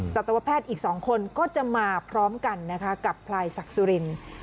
สัตวแพทย์อีก๒คนก็จะมาพร้อมกันนะคะกับพลายศักดิ์สุรินทร์